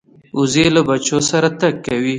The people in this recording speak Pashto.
وزې له بچو سره تګ کوي